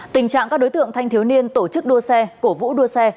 tình trạng các đối tượng thanh thiếu niên tổ chức đua xe cổ vũ đua xe